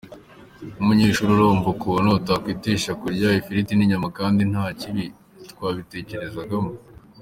Nk’umunyeshuri urumva ukuntu utakwitesha kujya kurya ifiriti n’inyama, kandi nta kibi twabitekerezagamo.